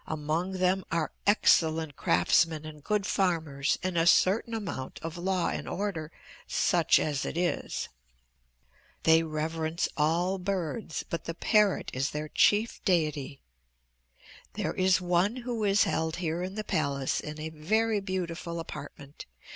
Among them are excellent craftsmen and good farmers and a certain amount of law and order, such as it is. "They reverence all birds, but the parrot is their chief deity. There is one who is held here in the palace in a very beautiful apartment.